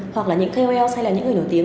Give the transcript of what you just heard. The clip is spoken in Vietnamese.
hoặc là những kol hay là những người nổi tiếng